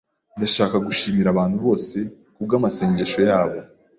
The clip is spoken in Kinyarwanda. Ndashaka gushimira abantu bose kubwamasengesho yabo.